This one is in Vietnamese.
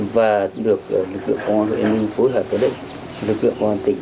và được lực lượng công an huyện yên minh phối hợp với lực lượng công an tỉnh